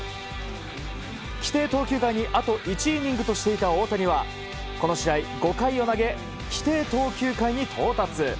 規定投球回にあと１イニングとしていた大谷はこの試合５回を投げ規定投球回に到達。